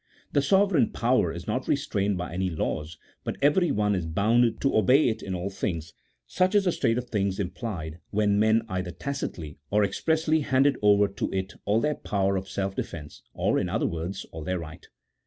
The sovereign power is not restrained by any laws, but everyone is bound to obey it in all things ; such is the state of things implied when men either tacitly or expressly handed over to it all their power of self defence, or in other words, all their right.